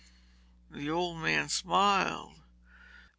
The old man smiled.